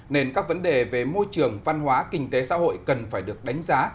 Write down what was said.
nên các vấn đề về môi trường văn hóa kinh tế xã hội cần phải được đánh giá